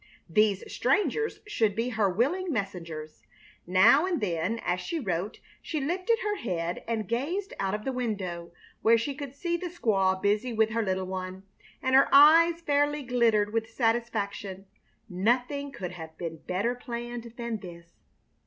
These strangers should be her willing messengers. Now and then, as she wrote she lifted her head and gazed out of the window, where she could see the squaw busy with her little one, and her eyes fairly glittered with satisfaction. Nothing could have been better planned than this.